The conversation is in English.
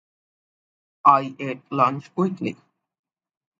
I ate lunch quickly.